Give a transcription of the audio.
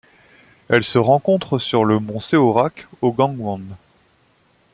Elle se rencontre sur le mont Seorak au Gangwon.